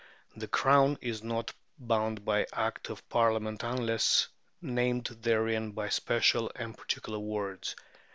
" "The Crown is not bound by Act of Parliament unless named therein by special and particular words."